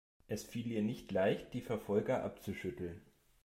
Es fiel ihr nicht leicht, die Verfolger abzuschütteln.